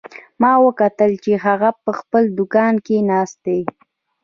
ما وکتل چې هغه په خپل دوکان کې ناست ده